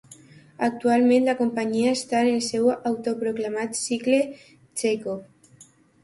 Actualment la companyia està en el seu autoproclamat "cicle Txékhov".